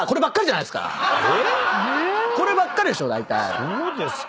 え⁉そうですか？